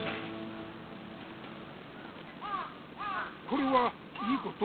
これは良いこと？